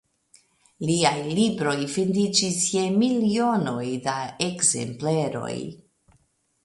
Liaj libroj vendiĝis je milionoj da ekzempleroj.